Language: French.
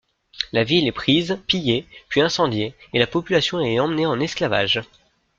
La ville est prise, pillée puis incendiée et la population est emmenée en esclavage.